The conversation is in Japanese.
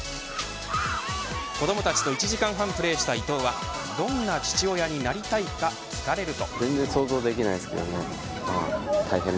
子どもたちと１時間半プレーした伊東はどんな父親になりたいか聞かれると。